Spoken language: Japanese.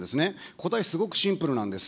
答え、すごくシンプルなんです。